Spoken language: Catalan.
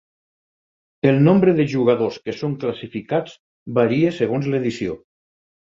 El nombre de jugadors que són classificats varia segons l'edició.